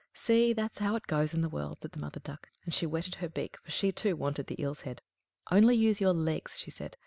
"See, that's how it goes in the world!" said the Mother Duck; and she whetted her beak, for she too wanted the eel's head. "Only use your legs," she said.